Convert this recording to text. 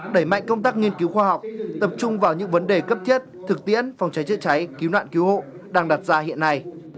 đẩy mạnh công tác nghiên cứu khoa học tập trung vào những vấn đề cấp thiết thực tiễn phòng cháy chữa cháy cứu nạn cứu hộ đang đặt ra hiện nay